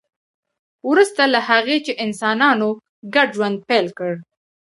وروسته له هغه چې انسانانو ګډ ژوند پیل کړ